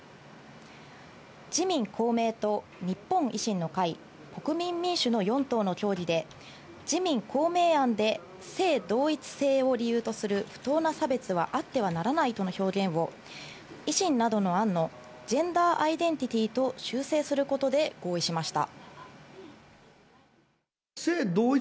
自民、公明と日本維新の会、国民民主の４党の協議で自民・公明案で性同一性を理由とする不当な差別はあってはならないとの表現を維新などの案の、ジェンダーアイデンティティと修正することで合意しました。